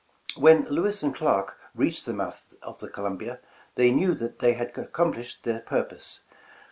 When Lewis and Clark reached the mouth of the Columbia, they knew they had accomplished their purpose.